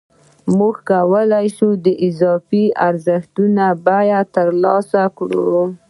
موږ کولای شو د اضافي ارزښت بیه ترلاسه کړو